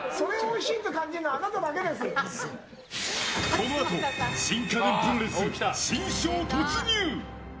このあと新家電プロレス新章突入。